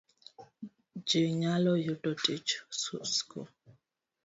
Ji nyalo yudo tich, sku